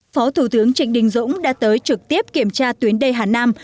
phó thủ tướng trịnh đình dũng đã tới trực tiếp kiểm tra tuyến đê hà nam